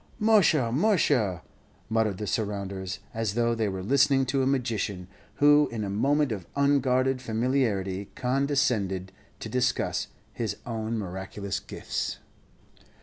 "Musha, musha!" muttered the surrounders, as though they were listening to a magician, who in a moment of unguarded familiarity condescended to discuss his own miraculous gifts.